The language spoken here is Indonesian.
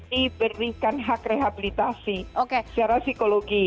diberikan hak rehabilitasi secara psikologi